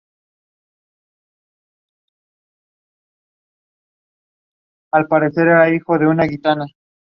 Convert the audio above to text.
Casi al mismo tiempo, Weigel y Playboy se distanciaron en sus negocios.